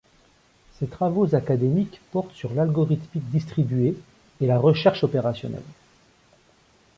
Ses travaux académiques portent sur l'algorithmique distribuée et la recherche opérationnelle.